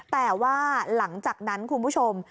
แต่ว่าหลังจากนั้นคุณผู้ชม